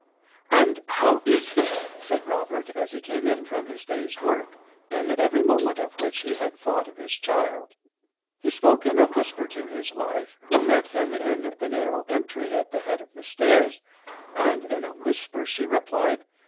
"And how is he?" said Robert, as he came in from his day's work, in every moment of which he had thought of his child. He spoke in a whisper to his wife, who met him in the narrow entry at the head of the stairs. And in a whisper she replied.